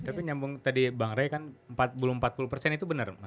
tapi nyambung tadi bang ray kan belum empat puluh itu benar